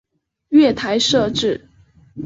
月台设置